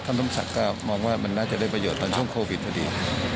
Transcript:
นมศักดิ์ก็มองว่ามันน่าจะได้ประโยชนตอนช่วงโควิดพอดี